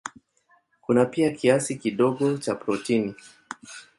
Kuna pia kiasi kidogo cha protini.